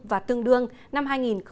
và tương đương năm hai nghìn một mươi tám